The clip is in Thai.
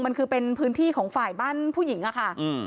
มันคือเป็นพื้นที่ของฝ่ายบ้านผู้หญิงอะค่ะ